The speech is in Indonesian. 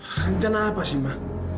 rencana apa sih ma